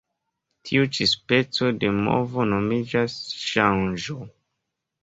Tiu ĉi speco de movo nomiĝas ŝanĝo.